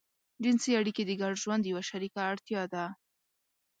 جنسي اړيکې د ګډ ژوند يوه شريکه اړتيا ده.